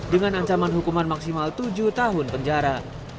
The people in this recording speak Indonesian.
dengan ancaman hukuman maksimal tujuh tahun penjara